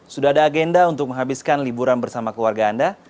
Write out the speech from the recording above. sudah ada agenda untuk menghabiskan liburan bersama keluarga anda